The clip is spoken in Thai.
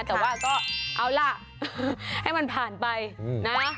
แต่ว่าก็เอาล่ะให้มันผ่านไปนะ